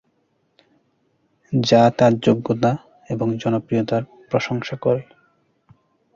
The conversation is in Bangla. যা তার যোগ্যতা এবং জনপ্রিয়তার প্রশংসা করে।